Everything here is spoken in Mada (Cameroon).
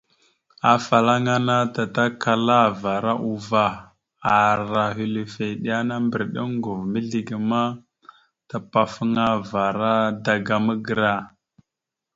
Afalaŋana tatakalavara uvah a ara hœləfe iɗena mbəriɗe ongov mizləge ma tapafaŋva ara daga magəra.